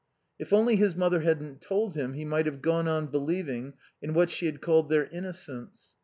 If only his mother hadn't told him, he might have gone on believing in what she had called their innocence.